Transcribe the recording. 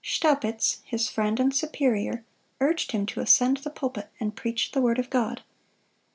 Staupitz, his friend and superior, urged him to ascend the pulpit, and preach the word of God.